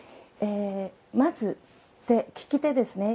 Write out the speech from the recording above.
まず、利き手ですね。